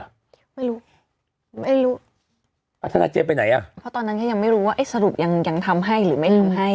ไม่รู้ไม่รู้อ่าทนายเจมสไปไหนอ่ะเพราะตอนนั้นก็ยังไม่รู้ว่าเอ๊ะสรุปยังยังทำให้หรือไม่ทำให้